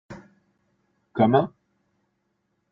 Comment ?